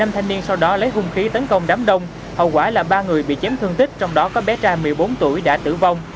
năm thanh niên sau đó lấy hung khí tấn công đám đông hậu quả là ba người bị chém thương tích trong đó có bé trai một mươi bốn tuổi đã tử vong